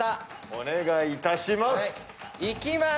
お願いいたします。